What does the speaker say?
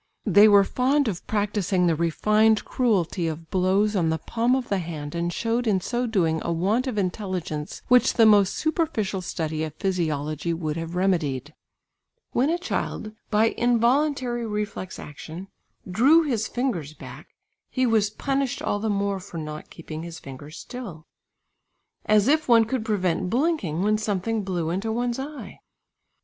They were fond of practising the refined cruelty of blows on the palm of the hand and showed in so doing a want of intelligence which the most superficial study of physiology would have remedied. When a child by involuntary reflex action, drew his fingers back, he was punished all the more for not keeping his fingers still. As if one could prevent blinking, when something blew into one's eye!